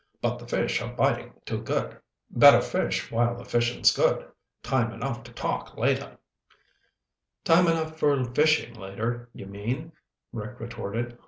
"But the fish are biting too good. Better fish while the fishing's good. Time enough to talk later." "Time enough for fishing later, you mean," Rick retorted.